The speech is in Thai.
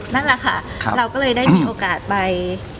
นั่นแหละค่ะเราก็เลยได้มีโอกาสไป